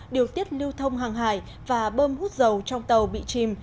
điều tiết lưu thông hàng hải và bơm hút dầu trong tàu bị chìm